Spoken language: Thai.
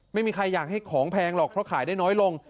ไม่มีใครอยากให้ของแพงหรอกเพราะขายได้น้อยลง